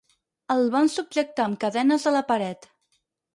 El van subjectar amb cadenes a la paret.